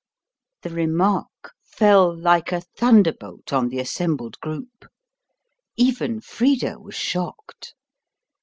The remark fell like a thunderbolt on the assembled group. Even Frida was shocked.